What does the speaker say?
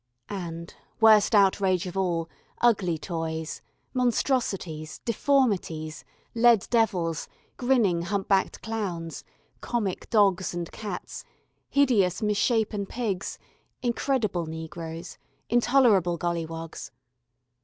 And, worst outrage of all, ugly toys, monstrosities, deformities, lead devils, grinning humpbacked clowns, "comic" dogs and cats, hideous mis shapen pigs, incredible negroes, intolerable golliwogs.